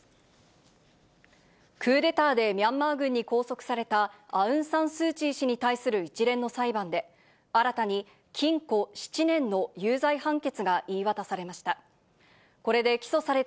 クーデターでミャンマー軍に拘束されたアウン・サン・スー・チーに対する一連の裁判で、新たに禁錮７年の有罪判決が言い渡されました。